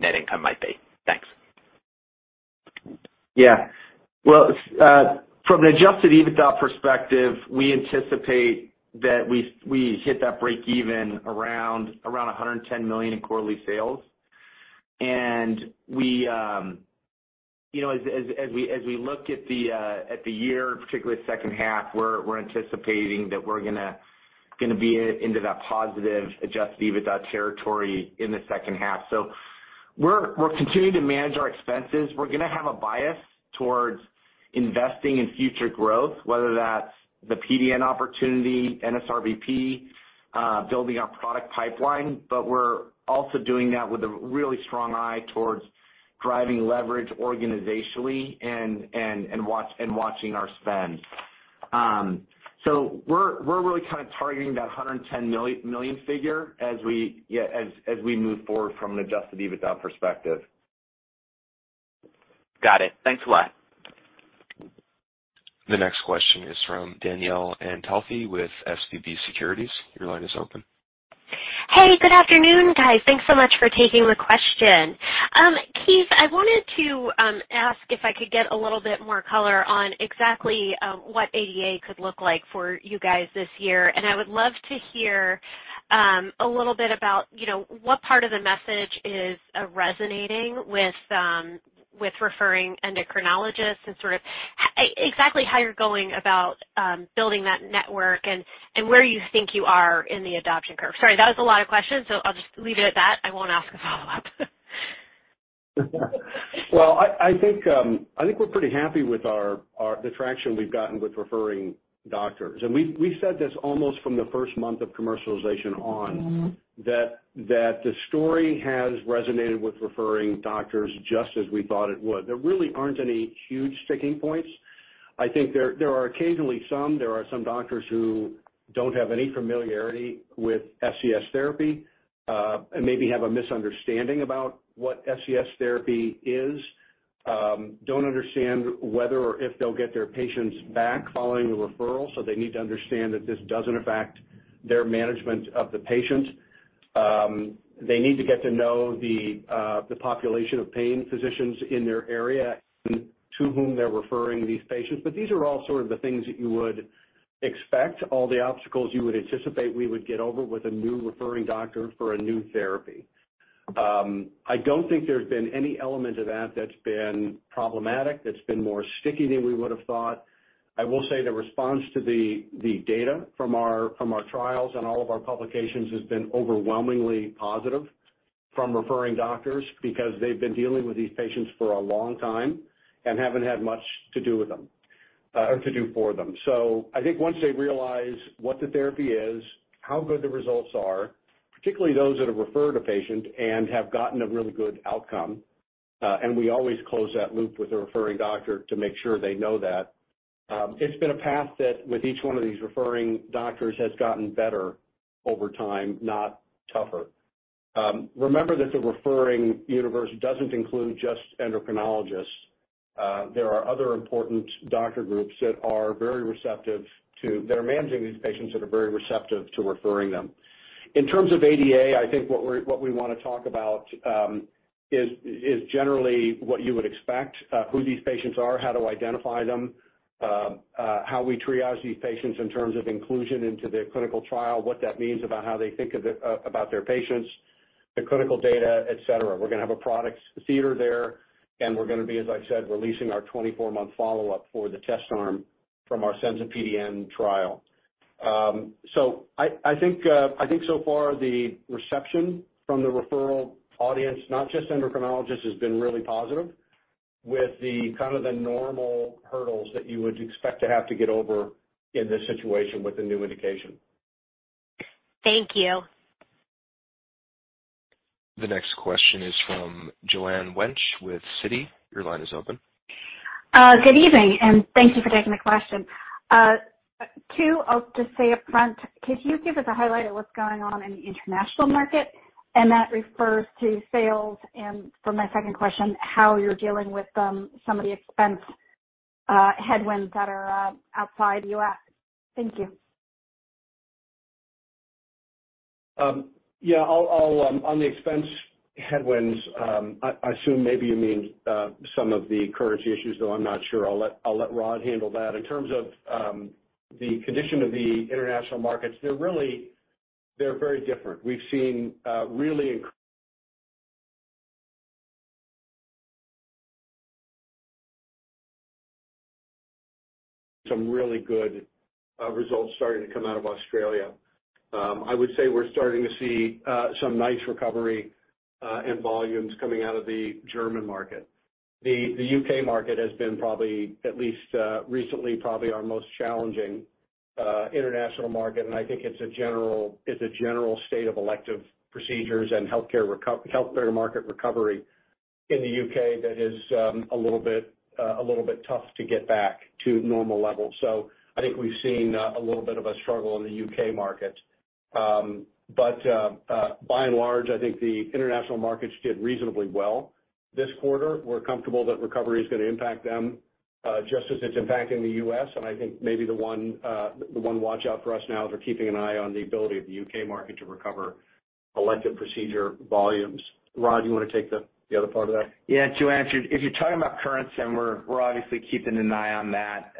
net income might be? Thanks. Yeah. Well, from an adjusted EBITDA perspective, we anticipate that we hit that breakeven around $110 million in quarterly sales. We, you know, as we look at the year, particularly the second half, we're anticipating that we're gonna be into that positive adjusted EBITDA territory in the second half. We're continuing to manage our expenses. We're gonna have a bias towards investing in future growth, whether that's the PDN opportunity, NSRBP, building our product pipeline, but we're also doing that with a really strong eye towards driving leverage organizationally and watching our spend. We're really kind of targeting that $110 million figure as we move forward from an adjusted EBITDA perspective. Got it. Thanks a lot. The next question is from Danielle Antalffy with SVB Securities. Your line is open. Hey, good afternoon, guys. Thanks so much for taking the question. Keith, I wanted to ask if I could get a little bit more color on exactly what ADA could look like for you guys this year. I would love to hear a little bit about, you know, what part of the message is resonating with referring endocrinologists and sort of exactly how you're going about building that network and where you think you are in the adoption curve. Sorry, that was a lot of questions, so I'll just leave it at that. I won't ask a follow-up. Well, I think we're pretty happy with the traction we've gotten with referring doctors. We said this almost from the first month of commercialization on. Mm-hmm. The story has resonated with referring doctors just as we thought it would. There really aren't any huge sticking points. I think there are occasionally some. There are some doctors who don't have any familiarity with SCS therapy, and maybe have a misunderstanding about what SCS therapy is, don't understand whether or if they'll get their patients back following the referral, so they need to understand that this doesn't affect their management of the patients. They need to get to know the population of pain physicians in their area and to whom they're referring these patients. These are all sort of the things that you would expect, all the obstacles you would anticipate we would get over with a new referring doctor for a new therapy. I don't think there's been any element of that that's been problematic, that's been more sticky than we would have thought. I will say the response to the data from our trials and all of our publications has been overwhelmingly positive from referring doctors because they've been dealing with these patients for a long time and haven't had much to do with them, or to do for them. I think once they realize what the therapy is, how good the results are, particularly those that have referred a patient and have gotten a really good outcome, and we always close that loop with the referring doctor to make sure they know that, it's been a path that with each one of these referring doctors has gotten better over time, not tougher. Remember that the referring universe doesn't include just endocrinologists. There are other important doctor groups that are very receptive to that are managing these patients that are very receptive to referring them. In terms of ADA, I think what we wanna talk about is generally what you would expect, who these patients are, how to identify them, how we triage these patients in terms of inclusion into the clinical trial, what that means about how they think of it about their patients, the clinical data, et cetera. We're gonna have a product theater there, and we're gonna be, as I said, releasing our 24-month follow-up for the test arm from our Senza PDN trial. I think so far the reception from the referral audience, not just endocrinologists, has been really positive with the kind of normal hurdles that you would expect to have to get over in this situation with a new indication. Thank you. The next question is from Joanne Winch with Citi. Your line is open. Good evening, and thank you for taking the question. Too, I'll just say upfront, could you give us a highlight of what's going on in the international market? That refers to sales, and for my second question, how you're dealing with some of the expense headwinds that are outside U.S. Thank you. Yeah. I'll on the expense headwinds, I assume maybe you mean some of the currency issues, though I'm not sure. I'll let Rod handle that. In terms of the condition of the international markets, they're very different. We've seen some really good results starting to come out of Australia. I would say we're starting to see some nice recovery in volumes coming out of the German market. The U.K. market has been probably, at least recently, probably our most challenging international market. I think it's a general state of elective procedures and healthcare market recovery in the U.K. that is a little bit tough to get back to normal levels. I think we've seen a little bit of a struggle in the U.K. market. But by and large, I think the international markets did reasonably well this quarter. We're comfortable that recovery is gonna impact them just as it's impacting the U.S. I think maybe the one watch out for us now is we're keeping an eye on the ability of the U.K. market to recover elective procedure volumes. Rod, you wanna take the other part of that? Yeah. To answer, if you're talking about currency, and we're obviously keeping an eye on that,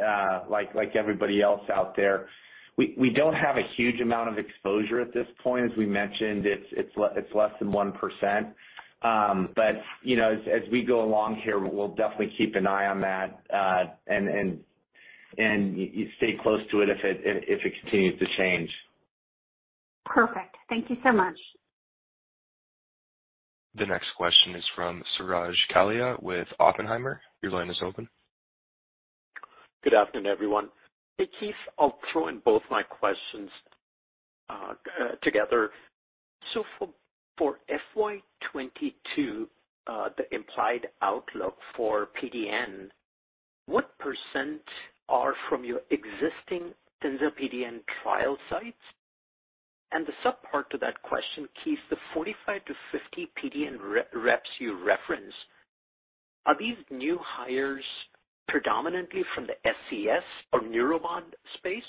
like everybody else out there. We don't have a huge amount of exposure at this point. As we mentioned, it's less than 1%. You know, as we go along here, we'll definitely keep an eye on that, and stay close to it if it continues to change. Perfect. Thank you so much. The next question is from Suraj Kalia with Oppenheimer. Your line is open. Good afternoon, everyone. Hey, Keith, I'll throw in both my questions, together. For FY 2022, the implied outlook for PDN, what % are from your existing Senza PDN trial sites? For the sub-part to that question, Keith, the 45-50 PDN reps you reference, are these new hires predominantly from the SCS or neuromod space,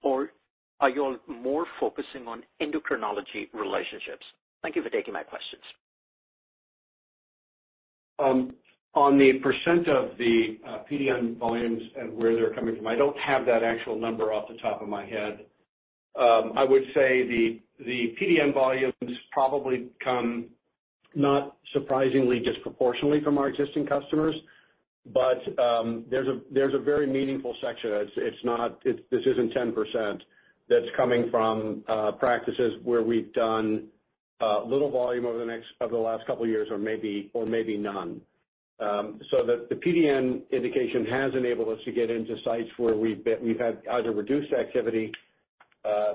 or are you all more focusing on endocrinology relationships? Thank you for taking my questions. On the percent of the PDN volumes and where they're coming from, I don't have that actual number off the top of my head. I would say the PDN volumes probably come, not surprisingly, disproportionately from our existing customers, but there's a very meaningful section. This isn't 10% that's coming from practices where we've done little volume over the last couple of years or maybe none. The PDN indication has enabled us to get into sites where we've had either reduced activity,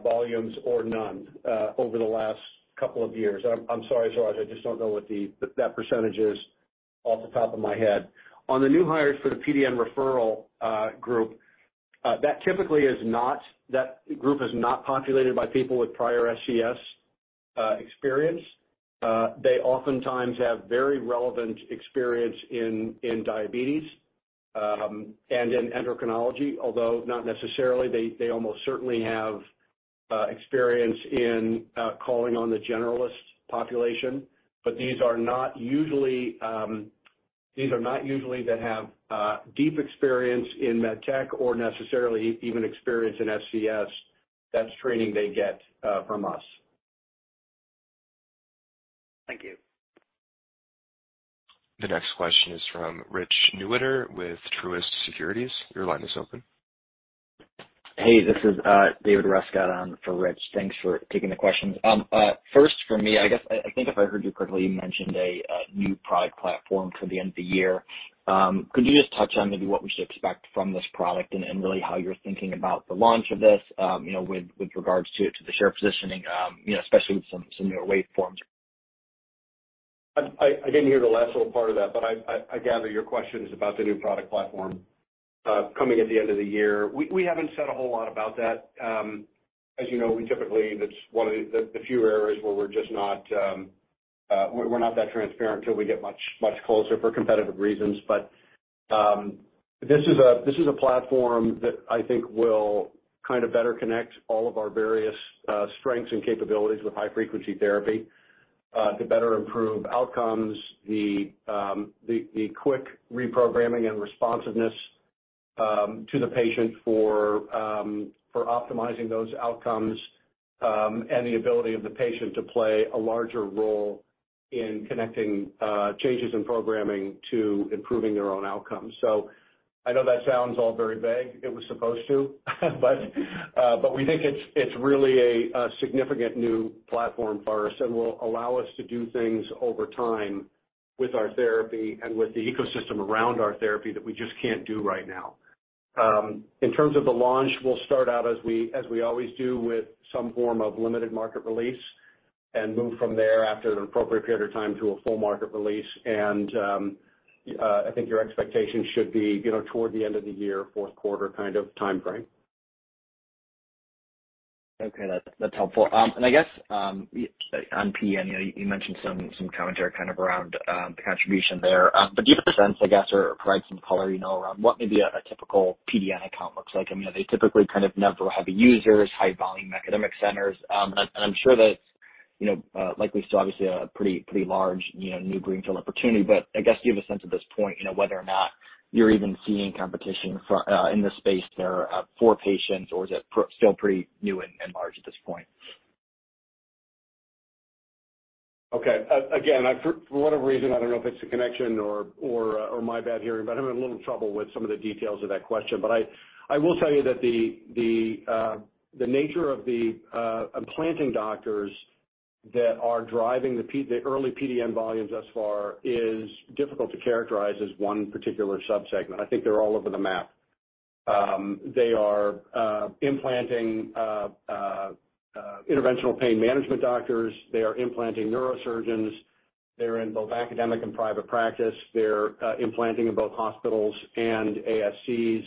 volumes or none over the last couple of years. I'm sorry, Suraj, I just don't know what that percentage is off the top of my head. On the new hires for the PDN referral group, that group is not populated by people with prior SCS experience. They oftentimes have very relevant experience in diabetes and in endocrinology, although not necessarily. They almost certainly have experience in calling on the generalist population. These are not usually that have deep experience in med tech or necessarily even experience in SCS. That's training they get from us. Thank you. The next question is from Richard Newitter with Truist Securities. Your line is open. Hey, this is David Rescott standing in for Rich. Thanks for taking the questions. First for me, I guess I think if I heard you correctly, you mentioned a new product platform for the end of the year. Could you just touch on maybe what we should expect from this product and really how you're thinking about the launch of this, you know, with regards to the share positioning, you know, especially with some newer waveforms? I didn't hear the last little part of that, but I gather your question is about the new product platform coming at the end of the year. We haven't said a whole lot about that. As you know, we typically. That's one of the few areas where we're not that transparent till we get much closer for competitive reasons. This is a platform that I think will kind of better connect all of our various strengths and capabilities with high frequency therapy to better improve outcomes, the quick reprogramming and responsiveness to the patient for optimizing those outcomes, and the ability of the patient to play a larger role in connecting changes in programming to improving their own outcomes. I know that sounds all very vague. It was supposed to. We think it's really a significant new platform for us and will allow us to do things over time with our therapy and with the ecosystem around our therapy that we just can't do right now. In terms of the launch, we'll start out as we always do with some form of limited market release and move from there after an appropriate period of time to a full market release. I think your expectations should be, you know, toward the end of the year, fourth quarter kind of timeframe. Okay. That's helpful. I guess on PDN, you know, you mentioned some commentary kind of around the contribution there. Do you have a sense, I guess, or provide some color, you know, around what maybe a typical PDN account looks like? I mean, are they typically a number of heavy users, high volume academic centers? I'm sure that, you know, likely still obviously a pretty large, you know, new greenfield opportunity. I guess, do you have a sense at this point, you know, whether or not you're even seeing competition in this space there for patients, or is it still pretty new and large at this point? Okay. Again, I, for whatever reason, I don't know if it's the connection or my bad hearing, but I'm having a little trouble with some of the details of that question. I will tell you that the nature of the implanting doctors that are driving the early PDN volumes thus far is difficult to characterize as one particular sub-segment. I think they're all over the map. They are interventional pain management doctors. They are neurosurgeons. They're in both academic and private practice. They're implanting in both hospitals and ASCs,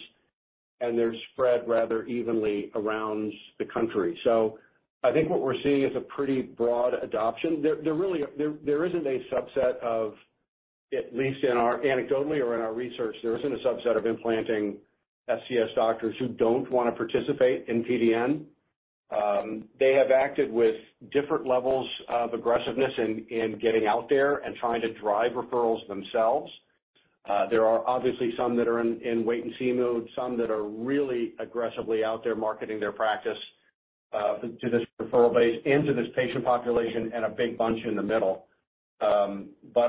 and they're spread rather evenly around the country. I think what we're seeing is a pretty broad adoption. There isn't a subset of implanting SCS doctors who don't wanna participate in PDN, at least in our anecdotally or in our research. They have acted with different levels of aggressiveness in getting out there and trying to drive referrals themselves. There are obviously some that are in wait and see mode, some that are really aggressively out there marketing their practice to this referral base and to this patient population, and a big bunch in the middle.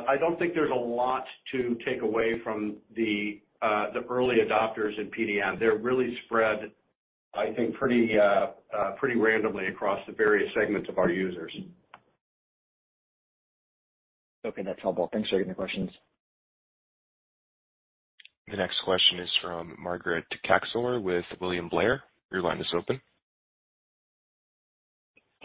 I don't think there's a lot to take away from the early adopters in PDN. They're really spread, I think, pretty randomly across the various segments of our users. Okay, that's helpful. Thanks for taking the questions. The next question is from Margaret Kacsor with William Blair. Your line is open.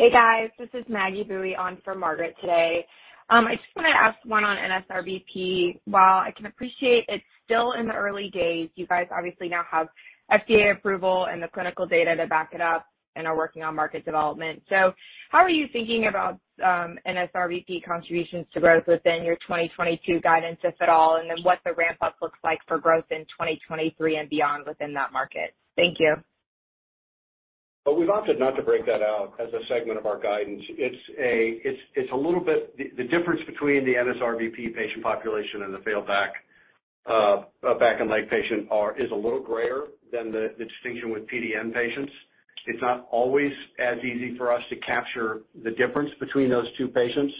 Hey, guys, this is Maggie Boeye on for Margaret today. I just wanna ask one on NSRBP. While I can appreciate it's still in the early days, you guys obviously now have FDA approval and the clinical data to back it up and are working on market development. How are you thinking about NSRBP contributions to growth within your 2022 guidance, if at all, and then what the ramp up looks like for growth in 2023 and beyond within that market? Thank you. Well, we've opted not to break that out as a segment of our guidance. It's a little bit. The difference between the NSRBP patient population and the failback back and leg patient is a little grayer than the distinction with PDN patients. It's not always as easy for us to capture the difference between those two patients.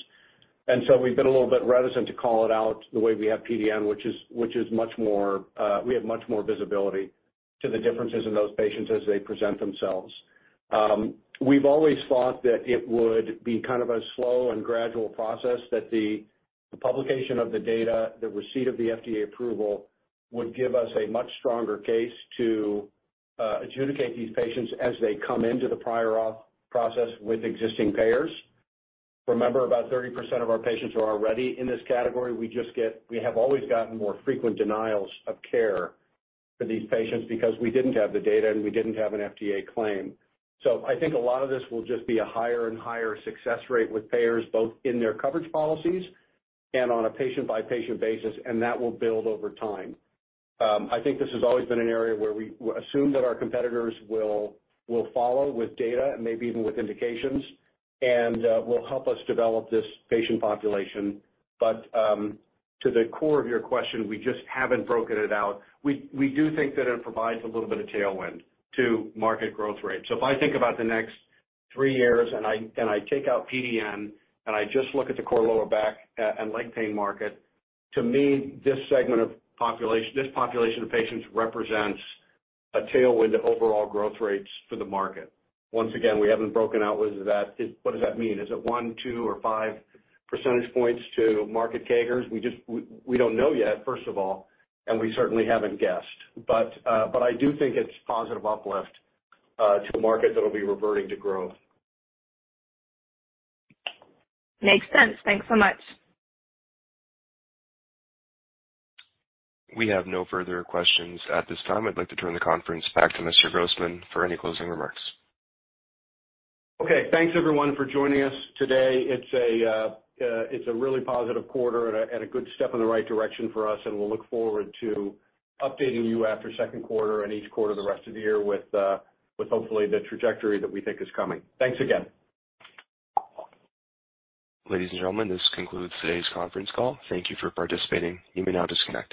We've been a little bit reticent to call it out the way we have PDN, which is much more. We have much more visibility to the differences in those patients as they present themselves. We've always thought that it would be kind of a slow and gradual process that the publication of the data, the receipt of the FDA approval would give us a much stronger case to adjudicate these patients as they come into the prior auth process with existing payers. Remember, about 30% of our patients are already in this category. We have always gotten more frequent denials of care for these patients because we didn't have the data and we didn't have an FDA claim. I think a lot of this will just be a higher and higher success rate with payers, both in their coverage policies and on a patient-by-patient basis, and that will build over time. I think this has always been an area where we assume that our competitors will follow with data and maybe even with indications and will help us develop this patient population. To the core of your question, we just haven't broken it out. We do think that it provides a little bit of tailwind to market growth rates. If I think about the next three years and I take out PDN and I just look at the core lower back and leg pain market, to me, this population of patients represents a tailwind to overall growth rates for the market. Once again, we haven't broken out what does that mean? Is it one, two or five percentage points to market CAGRs? We don't know yet, first of all, and we certainly haven't guessed. I do think it's positive uplift to a market that'll be reverting to growth. Makes sense. Thanks so much. We have no further questions at this time. I'd like to turn the conference back to Mr. Grossman for any closing remarks. Okay. Thanks everyone for joining us today. It's a really positive quarter and a good step in the right direction for us, and we'll look forward to updating you after second quarter and each quarter the rest of the year with hopefully the trajectory that we think is coming. Thanks again. Ladies and gentlemen, this concludes today's conference call. Thank you for participating. You may now disconnect.